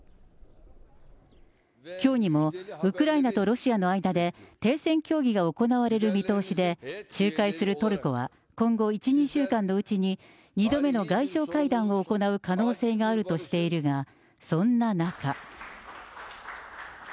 きょうにもウクライナとロシアの間で、停戦協議が行われる見通しで、仲介するトルコは今後、１、２週間のうちに２度目の外相会談を行う可能性があるとしているが、そんな中。